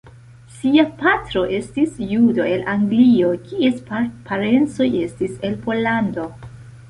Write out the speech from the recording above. Sia patro estis judo el Anglio kies parencoj estis el Pollando.